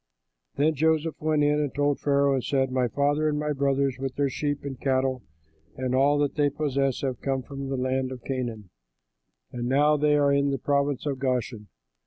Then Joseph went in and told Pharaoh and said, "My father and my brothers with their sheep and cattle and all that they possess have come from the land of Canaan; and now they are in the province of Goshen."